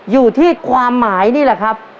อยู่ที่ความหมายนี่แหละครับ